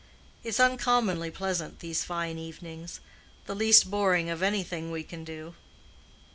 It's uncommonly pleasant these fine evenings—the least boring of anything we can do."